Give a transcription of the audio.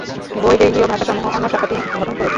গইডেলীয় ভাষাসমূহ অন্য শাখাটি গঠন করেছে।